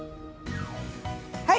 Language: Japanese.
はい！